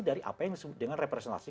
dari apa yang disebut dengan representasi